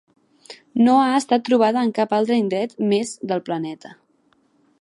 No ha estat trobada en cap altre indret més del planeta.